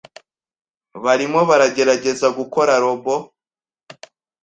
barimo baragerageza gukora robo